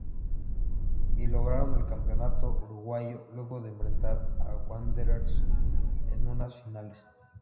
Y lograron el Campeonato Uruguayo luego de enfrentar a Wanderers en unas finales.